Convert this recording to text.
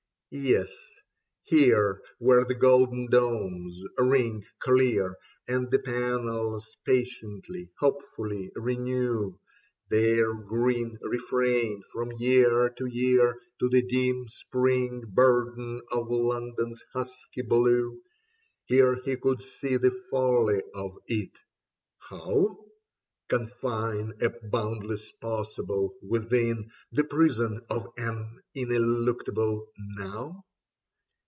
i Yes, here, where the golden domes ring clear, And the planes patiently, hopefully renew Their green refrain from year to year To the dim spring burden of London's husky blue, Here he could see the folly of it. How ? Confine a boundless possible within The prison of an ineluctable Now